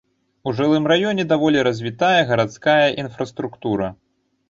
У жылым раёне даволі развітая гарадская інфраструктура.